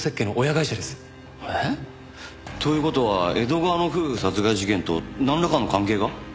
えっ？という事は江戸川の夫婦殺害事件となんらかの関係が？